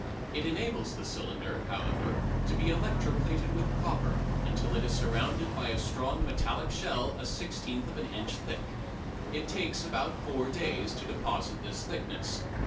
It enables the cylinder, however, to be electro plated with copper until it is surrounded by a strong metallic shell a sixteenth of an inch thick. It takes about four days to deposit this thickness.